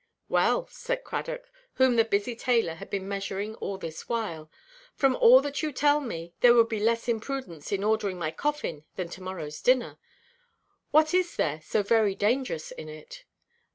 "Well," said Cradock, whom the busy tailor had been measuring all this while, "from all that you tell me, there would be less imprudence in ordering my coffin than to–morrowʼs dinner. What is there so very dangerous in it?"